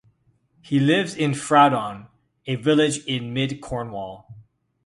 He lives in Fraddon, a village in Mid-Cornwall.